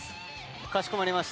かしこまりました。